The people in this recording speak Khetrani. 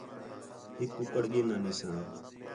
ہِک کُکڑ گِھن آنی ساں